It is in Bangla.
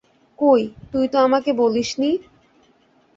কই, তুই তো আমাকে বলিস নি?